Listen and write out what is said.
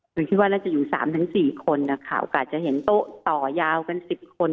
คือคิดว่าน่าจะอยู่๓๔คนนะคะก็อาจจะเห็นโต๊ะต่อยาวกัน๑๐คน